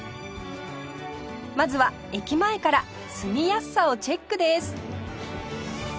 まずは駅前から住みやすさをチェックです